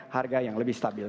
harga yang lebih stabil